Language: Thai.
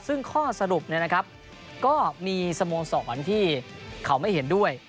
ซึ่งข้อสรุปก็มีสโมสรที่เขาไม่เห็นด้วย